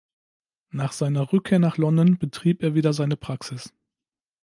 Nach seiner Rückkehr nach London betrieb er wieder seine Praxis.